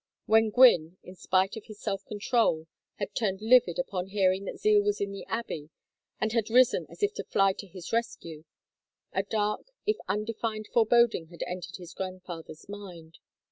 When Gwynne, in spite of his self control, had turned livid upon hearing that Zeal was in the Abbey, and had risen as if to fly to his rescue, a dark if undefined foreboding had entered his grandfather's mind.